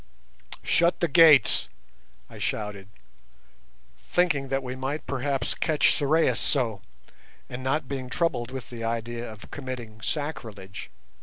"Shut the gates," I shouted, thinking that we might perhaps catch Sorais so, and not being troubled with the idea of committing sacrilege.